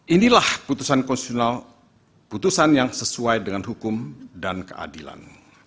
inilah putusan konstitusional putusan yang sesuai dengan hukum dan keadilan